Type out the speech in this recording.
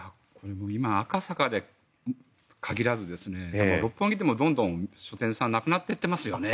今、赤坂に限らず六本木でもどんどん書店さんなくなってきてますよね。